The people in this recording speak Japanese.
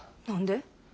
何で？